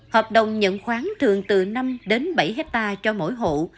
hợp đồng nhận khoáng thường từ năm đến bảy hectare cho mỗi hộ